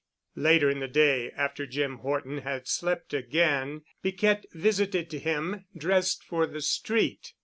Sh——" Later in the day after Jim Horton had slept again, Piquette visited him, dressed for the street.